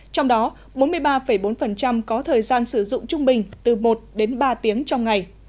trong đó bốn mươi ba bốn có thời gian sử dụng trung bình từ một đến ba tiếng trong ngày